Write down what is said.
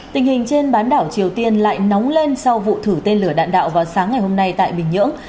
tình hình trên bán đảo triều tiên lại nóng lên sau vụ thử tên lửa đạn đạo vào sáng ngày hôm nay tại bình nhưỡng